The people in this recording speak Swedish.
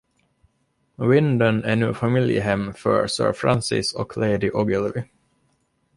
Windon är nu familjehem för Sir Francis och Lady Ogilvy.